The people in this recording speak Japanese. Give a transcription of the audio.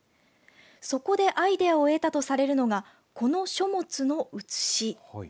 そこでアイデアを得たとされるのはこの書物の写し。